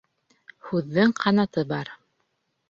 Һүҙҙең ҡанаты бар.